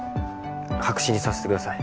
白紙にさせてください。